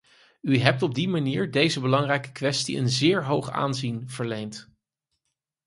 U hebt op die manier deze belangrijke kwestie een zeer hoog aanzien verleend.